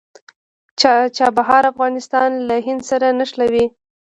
چابهار افغانستان له هند سره نښلوي